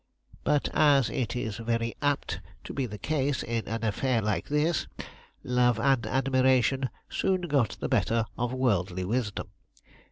But, as is very apt to be the case in an affair like this, love and admiration soon got the better of worldly wisdom.